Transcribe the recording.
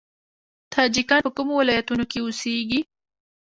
تاجکان په کومو ولایتونو کې اوسیږي؟